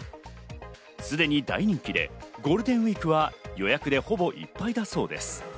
すでに大人気でゴールデンウイークは予約でほぼいっぱいだそうです。